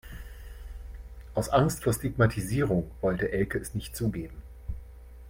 Aus Angst vor Stigmatisierung wollte Elke es nicht zugeben.